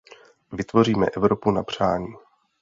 Vytvoříme Evropu na přání.